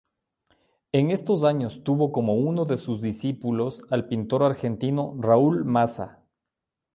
En estos años tuvo como uno de sus discípulos al pintor argentino Raúl Mazza.